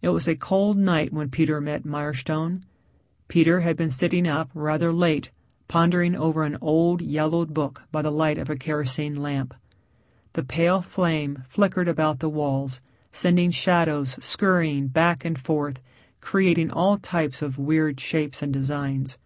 It was a cold night when Peter met Mirestone. Peter had been sitting up rather late pondering over an old, yellowed book by the light of a kerosene lamp. The pale flame flickered about the walls sending shadows scurrying back and forth creating all types of weird shapes and designs.